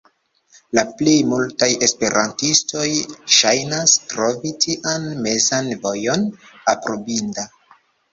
La plej multaj esperantistoj ŝajnas trovi tian mezan vojon aprobinda.